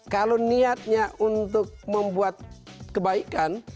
kalau niatnya untuk membuat kebaikan